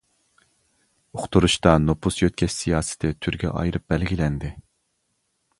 ئۇقتۇرۇشتا نوپۇس يۆتكەش سىياسىتى تۈرگە ئايرىپ بەلگىلەندى.